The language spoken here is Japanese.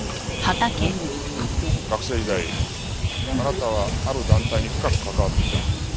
学生時代あなたはある団体に深く関わっていた。